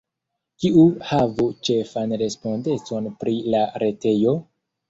Kiu havu ĉefan respondecon pri la retejo?